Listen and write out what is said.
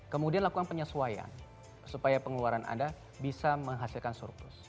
kemudian lakukan penyesuaian supaya pengeluaran anda bisa menghasilkan surplus